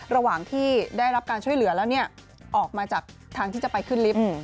ระหว่างที่ได้รับการช่วยเหลือแล้วออกมาจากทางที่จะไปขึ้นลิฟต์